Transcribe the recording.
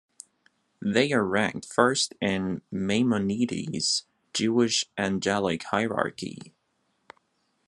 They are ranked first in Maimonides' Jewish angelic hierarchy.